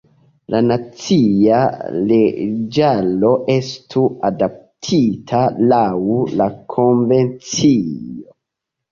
La nacia leĝaro estu adaptita laŭ la konvencio.